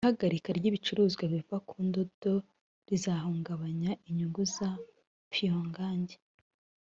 Ihagarika ry'ibicuruzwa biva ku ndodo rizahungabanya inyungu za Pyongyang (umurwa mukuru wa Koreya y'Amajyaruguru)